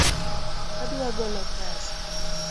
Adwa golo pesa